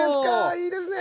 いいですね！